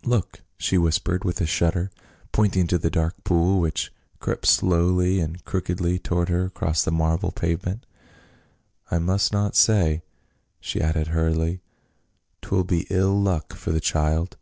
" Look !" she whispered with a shudder, pointing to the dark pool which crept slowly and crookedly toward her across the marble pavement. " I must not stay," she added hurriedly ;" 'twill be ill luck for the child."